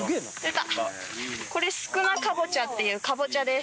これスクナカボチャっていうカボチャです。